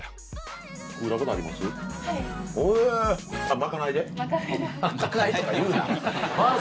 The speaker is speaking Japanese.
まかないで。